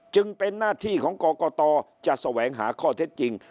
จึงเป็นหน้าที่ของกรกตจะแสวงหาข้อเท็จจริง